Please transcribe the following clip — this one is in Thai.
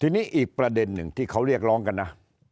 ทีนี้อีกประเด็นหนึ่งที่เขาเรียกร้องกันนะ